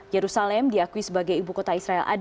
yerusalem diakui sebagai ibu kota israel